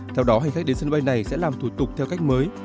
theo đó hành khách đến sân bay này sẽ làm thủ tục theo cách mới